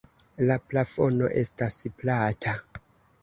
La plafono estas plata.